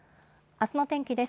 あすの天気です。